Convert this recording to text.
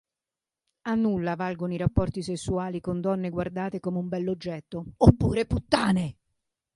A nulla valgono i rapporti sessuali con donne guardate come "un bell'oggetto" oppure "puttane".